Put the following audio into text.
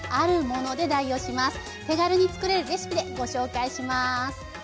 手軽に作れるレシピでご紹介します。